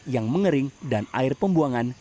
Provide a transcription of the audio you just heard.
yang mengering dan air pembuangan